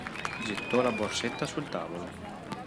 Gettò la borsetta sul tavolo.